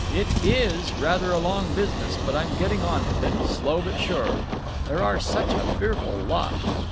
It is rather a long business, but I'm getting on with it, slow but sure. There are such a fearful lot."